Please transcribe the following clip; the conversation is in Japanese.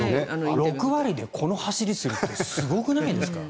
６割でこの走りをするってすごくないですか？